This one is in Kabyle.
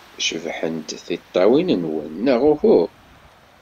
Cebḥent tiṭṭawin-nwen, neɣ uhu?